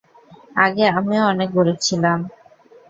আগে, আমিও অনেক গরিব ছিলাম।